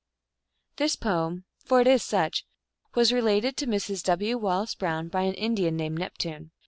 This poem for it is such was related to Mrs. W. Wallace Brown by an Indian named Neptune.